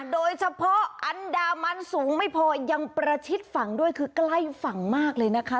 โดยเฉพาะอันดามันสูงไม่พอยังประชิดฝั่งด้วยคือใกล้ฝั่งมากเลยนะคะ